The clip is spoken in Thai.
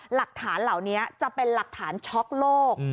หลักฐานเหล่านี้จะเป็นหลักฐานช็อกโลก